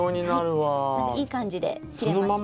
はいいい感じで切れました。